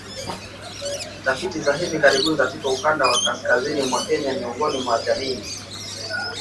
Tafiti za hivi karibuni katika ukanda wa kaskazini mwa Kenya miongoni mwa jamii